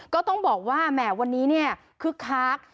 ก็ต้องบอกว่าแหมวันนี้เนี่ยคึกคัก